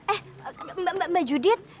eh mbak judit